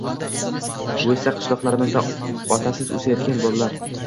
Bu esa qishloqlarimizda otasiz o‘sayotgan bolalar